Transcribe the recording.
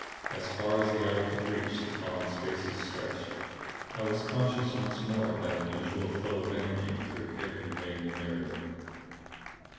As far as the eye could reach the columned spaces stretched. I was conscious once more of that unusual flow of energy through every vein and nerve.